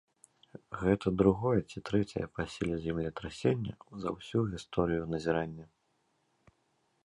Гэта другое ці трэцяе па сіле землетрасенне за ўсю гісторыю назірання.